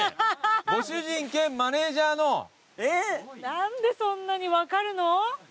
何でそんなに分かるの？